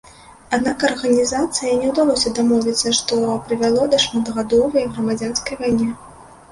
Аднак арганізацыяй не ўдалося дамовіцца, што прывяло да шматгадовай грамадзянскай вайне.